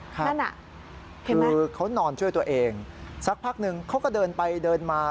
คือเขานอนช่วยตัวเองสักพักหนึ่งเขาก็เดินไปเดินมา